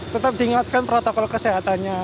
tetap diingatkan protokol kesehatannya